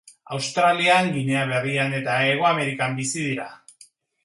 Australian, Ginea Berrian eta Hego Amerikan bizi dira.